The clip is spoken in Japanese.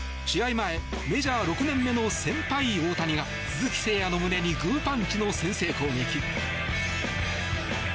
前メジャー６年目の先輩、大谷が鈴木誠也の胸にグーパンチの先制攻撃。